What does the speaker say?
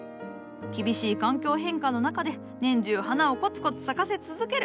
厳しい環境変化の中で年中花をコツコツ咲かせ続ける。